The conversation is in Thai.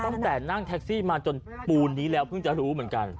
ตั้งแต่นั่งแท็กซี่มาจนปูนนี้แล้วเพิ่งจะรู้เหมือนกัน